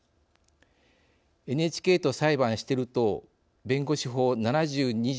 ＮＨＫと裁判してる党弁護士法７２条